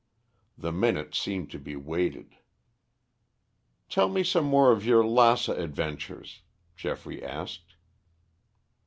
The minutes seemed to be weighted. "Tell me some more of your Lassa adventures," Geoffrey asked.